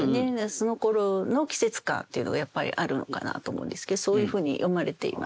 そのころの季節感というのがやっぱりあるのかなと思うんですけどそういうふうに詠まれています。